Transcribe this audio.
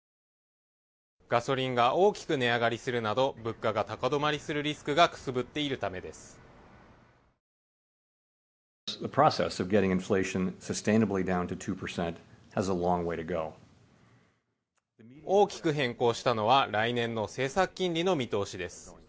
ガソリンが大きく値上がりするなど物価が高止まりするリスクがくすぶっているためです大きく変更したのは来年の政策金利の見通しです